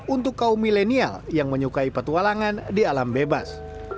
untuk kaum milenial yang menyukai petualangan di alam bebas